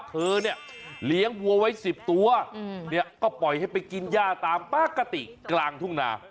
เธอเนี่ยเลี้ยงวัวไว้๑๐ตัวเนี่ยก็ปล่อยให้ไปกินย่าตามปกติกลางทุ่งนา